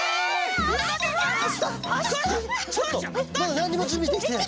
ちょっとまだなんにもじゅんびできてない。